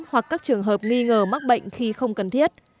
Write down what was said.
hoặc các trường hợp nghi ngờ mắc bệnh khi không cần thiết